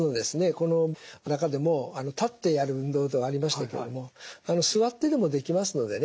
この中でも立ってやる運動というのがありましたけれども座ってでもできますのでね